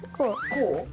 こう？